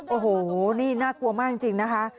โอ้โหนี่น่ากลัวมากจริงนะคะ